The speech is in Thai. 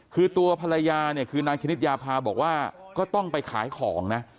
คือตัวภรรยาเนี่ยคือนางชนิดยาพาบอกว่าก็ต้องไปขายของนะ